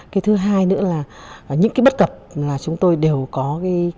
cái thứ hai nữa là những cái bất cập mà chúng tôi đều có cái